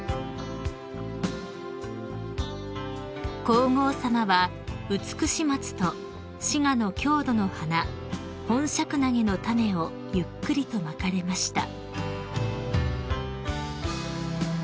［皇后さまはウツクシマツと滋賀の郷土の花ホンシャクナゲの種をゆっくりとまかれました］